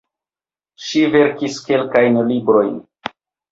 Ŝi verkis kelkajn librojn.